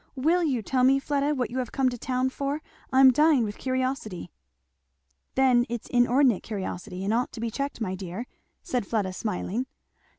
"Will you tell me, Fleda, what you have come to town for? I am dying with curiosity." "Then it's inordinate curiosity, and ought to be checked, my dear," said Fleda smiling.